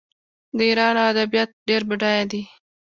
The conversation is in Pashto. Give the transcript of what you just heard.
د ایران ادبیات ډیر بډایه دي.